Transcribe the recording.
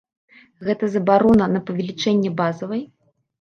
Гэта забарона на павелічэнне базавай?